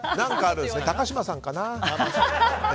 高嶋さんかな。